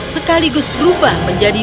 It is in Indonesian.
sekaligus berubah menjadi